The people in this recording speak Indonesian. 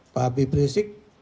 pak habib risik